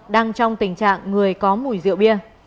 đang trong tình trạng người có mùi rượu bia